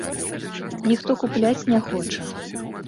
Ніхто купляць не хоча.